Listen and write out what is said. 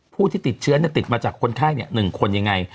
ผู้ที่ติดเชื้อเนี่ยติดมาจากคนไทยเนี่ย๑คนยังไง